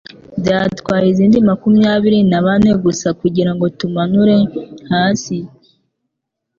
Byatwaye izindi makumyabiri na bane gusa kugirango tumanure hasi.